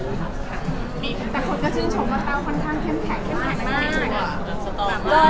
แต่คนก็ชินชมว่าเปล่าค่อนข้างเข้มแข็งมาก